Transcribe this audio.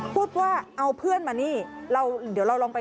เดี๋ยวเราลองไปฟังด้วยกันค่ะ